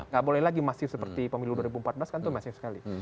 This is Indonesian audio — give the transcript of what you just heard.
nggak boleh lagi masih seperti pemilu dua ribu empat belas kan itu masif sekali